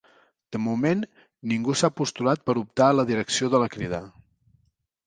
De moment ningú s'ha postulat per optar a la direcció de la Crida